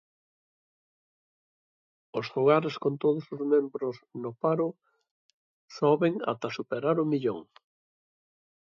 Os fogares con todos os membros no paro soben ata superar o millón.